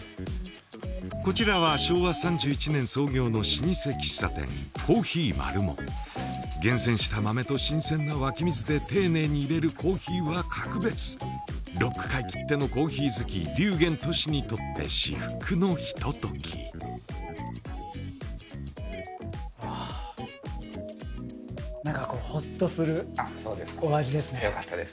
こちらは老舗喫茶店厳選した豆と新鮮な湧き水で丁寧にいれるコーヒーは格別ロック界きってのコーヒー好き龍玄としにとって至福のひとときああ何かこうほっとするお味ですねよかったです